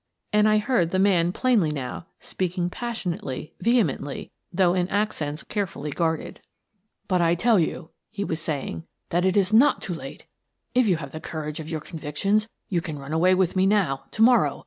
And I heard the man plainly now, speak ing passionately, vehemently, though in accents carefully guarded. " But I tell you/' he was saying, " that it is not too late! If you have the courage of your convic tions, you can run away with me now — to morrow.